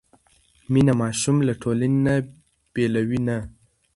مینه ماشوم له ټولنې نه بېلوي نه.